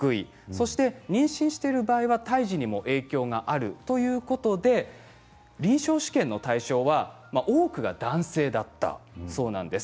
そして妊娠している場合には胎児にも影響があるということで臨床試験の対象は多くが男性だったそうなんです。